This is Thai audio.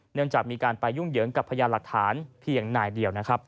เนื่องจากมีการไปยุ่งเหยิงกับพยานหลักฐานเพียงนายเดียวนะครับ